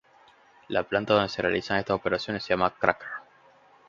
La planta donde se realizan estas operaciones se llama "cracker".